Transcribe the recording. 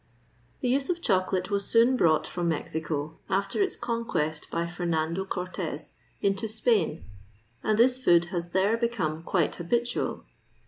The use of chocolate was soon brought from Mexico, after its conquest by Fernando Cortes, into Spain, and this food has there become quite habitual.